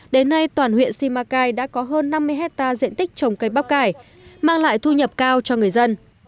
đến nay toàn huyện simacai đã có hơn năm mươi hectare diện tích trồng cây bắp cải mang lại thu nhập cao cho người dân